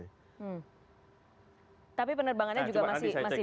kalau saya tidak salah coba dicek lagi deh